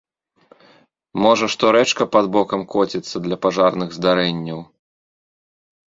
Можа, што рэчка пад бокам коціцца для пажарных здарэнняў.